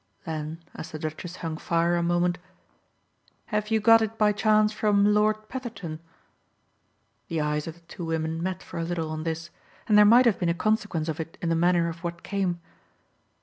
Then as the Duchess hung fire a moment: "Have you got it by chance from Lord Petherton?" The eyes of the two women met for a little on this, and there might have been a consequence of it in the manner of what came.